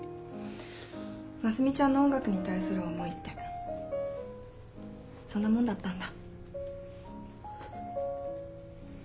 真澄ちゃんの音楽に対する思いってそんなもんだったんだ。